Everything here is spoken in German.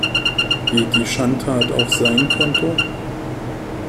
Geht die Schandtat auf sein Konto?